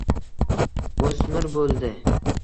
O’smir bo’ldi